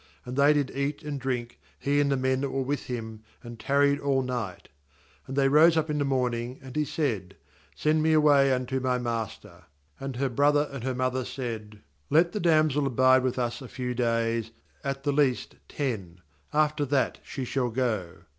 "And they did eat and drink, he and the men that were with him, and tarried all night; and they rose up in the morning, and he said: 'Send me away unto my master.' 55And her brother and her mother said :' Let the damsel abide with us a few days, at the least ten; after that she shall go.'